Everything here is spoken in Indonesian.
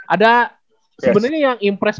ada sebenernya yang impress